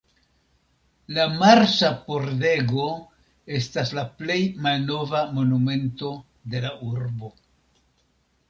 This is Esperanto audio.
La Marsa Pordego estas la plej malnova monumento de la urbo.